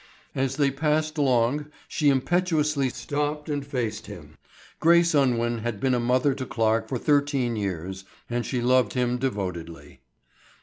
As they passed along she impetuously stopped and faced him. Grace Unwin had been a mother to Clarke for thirteen years, and she loved him devotedly.